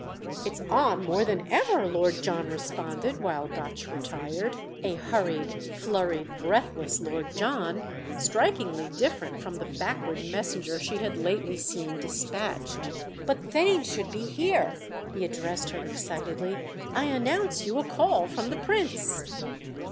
"It's 'on' more than ever!" Lord John responded while Gotch retired: a hurried, flurried, breathless Lord John, strikingly different from the backward messenger she had lately seen despatched. "But Theign should be here!"—he addressed her excitedly. "I announce you a call from the Prince."